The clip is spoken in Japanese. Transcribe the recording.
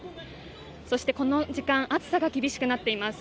そしてこの時間、暑さが厳しくなっています。